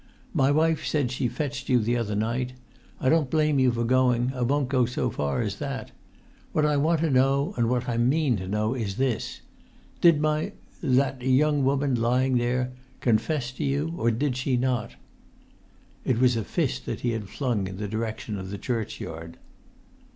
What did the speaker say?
My wife said she fetched you the other night. I don't blame you for going, I won't go so far as that. What I want to know, and what I mean to know, is this: did my—that young woman lying there—confess to you or did she not?" It was a fist that he had flung in the direction of the churchyard.